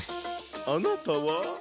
あなたは？